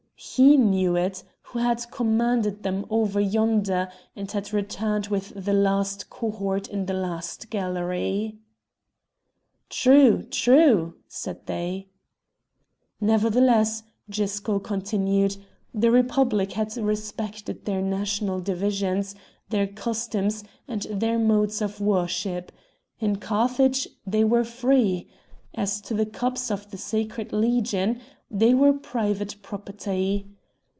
He knew it, he who had commanded them over yonder, and had returned with the last cohort in the last galley! "True! True!" said they. Nevertheless, Gisco continued, the Republic had respected their national divisions, their customs, and their modes of worship; in Carthage they were free! As to the cups of the Sacred Legion, they were private property.